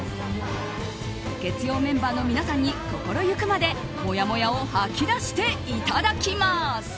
月曜メンバーの皆さんに心行くまでもやもやを吐き出していただきます。